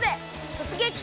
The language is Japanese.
「とつげき！